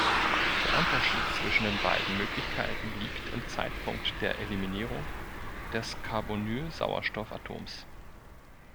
Der Unterschied zwischen den beiden Möglichkeiten liegt im Zeitpunkt der Eliminierung des Carbonyl-Sauerstoff-Atoms.